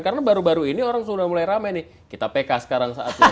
karena baru baru ini orang sudah mulai ramai nih kita pk sekarang saatnya